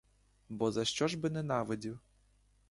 Бо за що ж би ненавидів?